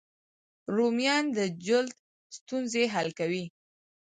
رومیان د جلد ستونزې حل کوي